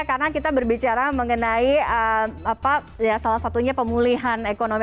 karena kita berbicara mengenai salah satunya pemulihan ekonomi